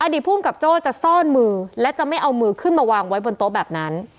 ภูมิกับโจ้จะซ่อนมือและจะไม่เอามือขึ้นมาวางไว้บนโต๊ะแบบนั้น